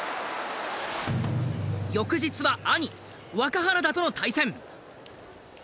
翌日は兄若花田との対戦。